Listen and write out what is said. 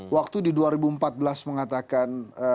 waktu di dua ribu empat belas mengatakan